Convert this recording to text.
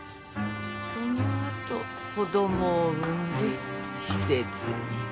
そのあと子供を産んで施設に。